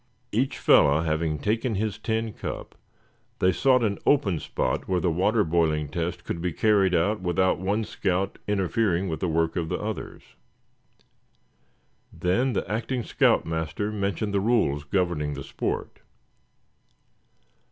Each fellow having taken his tin cup, they sought an open spot where the water boiling test could be carried out without one scout interfering with the work of the others. Then the acting scout master mentioned the rules governing the sport.